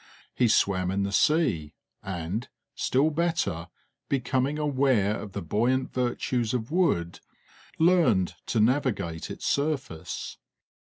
He swam in the sea, and, still better, becoming aware of the buoyant virtues of wood, learned to navigate its surface.